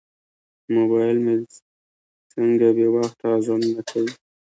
موبایل مې څنګه بې وخته اذانونه کوي.